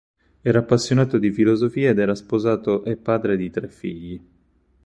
Era appassionato di filosofia ed era sposato e padre di tre figli.